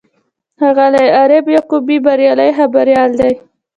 ښاغلی عارف یعقوبي بریالی خبریال دی.